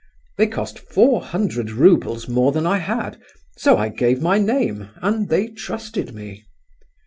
They cost four hundred roubles more than I had, so I gave my name, and they trusted me.